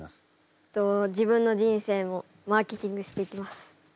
えっと自分の人生もマーケティングしていきます。